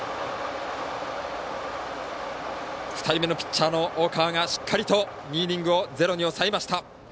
２人目のピッチャーの大川がしっかりと２イニングをゼロに抑えました。